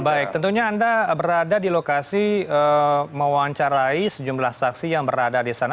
baik tentunya anda berada di lokasi mewawancarai sejumlah saksi yang berada di sana